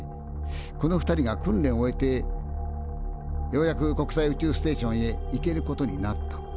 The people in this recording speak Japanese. この２人が訓練を終えてようやく国際宇宙ステーションへ行けることになった。